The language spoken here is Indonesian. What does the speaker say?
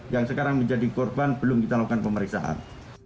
yang sekarang menjadi korban belum kita lakukan pemeriksaan